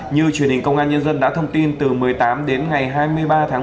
như truyền hình công an nhân dân đã thông tin từ một mươi tám đến ngày hai mươi ba tháng một